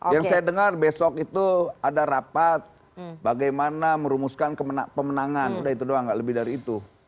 yang saya dengar besok itu ada rapat bagaimana merumuskan pemenangan udah itu doang gak lebih dari itu